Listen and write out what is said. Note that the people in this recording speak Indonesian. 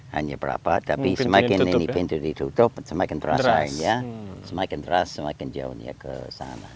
hanya berapa tapi semakin pintu ditutup semakin terasa airnya semakin terasa semakin jauh dari sana